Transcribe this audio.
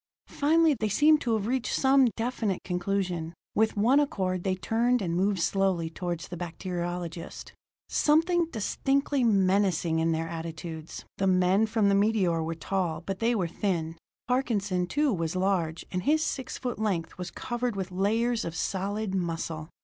Finally they seemed to have reached some definite conclusion; with one accord they turned and moved slowly toward the bacteriologist, something distinctly menacing in their attitudes. The men from the meteor were tall, but they were thin; Parkinson, too, was large, and his six foot length was covered with layers of solid muscle.